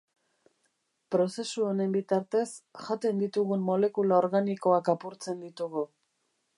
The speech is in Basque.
Prozesu honen bitartez, jaten ditugun molekula organikoak apurtzen ditugu.